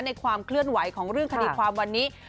ความเคลื่อนไหวของเรื่องคดีความวันนี้